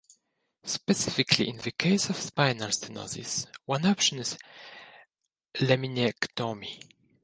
Specifically in the case of spinal stenosis, one option is laminectomy.